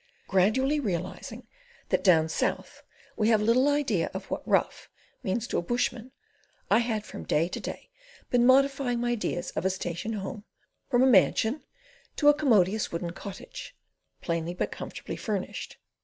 Gradually realising that down South we have little idea of what "rough" means to a bushman, I had from day to day been modifying my ideas of a station home from a mansion to a commodious wooden cottage, plainly but comfortably furnished.